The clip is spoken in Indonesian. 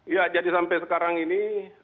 ya jadi sampai sekarang ini